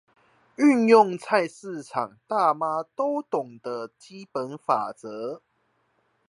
運用菜市場大媽都懂的常識法則